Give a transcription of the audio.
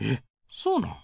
そうなん？